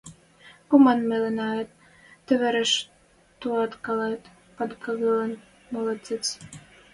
Коман меленӓэт, тывыртыш туаткалет, падкагылет, молет — циц...